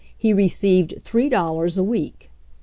He received three dollars a week.